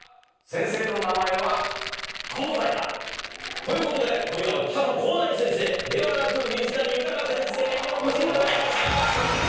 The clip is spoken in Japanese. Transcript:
ということで今夜は北野広大先生ではなく水谷豊先生にお越しいただきました。